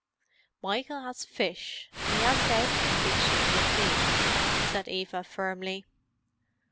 "Michael 'as fish—an' 'e 'as it out in the kitchen with me," said Eva firmly.